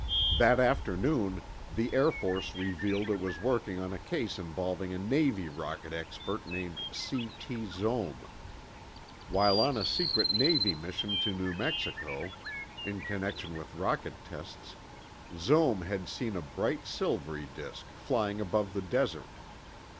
That afternoon the Air Force revealed it was working on a case involving a Navy rocket expert named C. T. Zohm. While on a secret Navy mission to New Mexico, in connection with rocket tests, Zohm had seen a bright silvery disk flying above the desert.